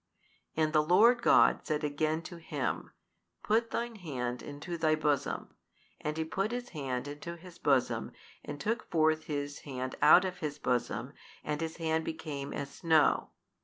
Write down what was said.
And the Lord God said again to him, Put thine hand into thy bosom, and he put his hand into his bosom and took forth his hand out of his bosom and his hand became as snow.